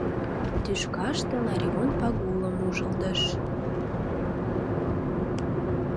— Тӱшкаште Ларивон Пагулым ужылдыш.